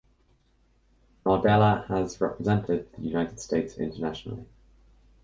Nardella has represented the United States internationally.